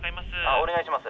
☎お願いします。